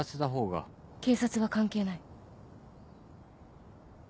警察は関係ない。